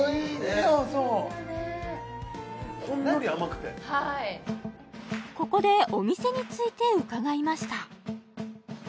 そうそうほんのり甘くてはいここでお店について伺いました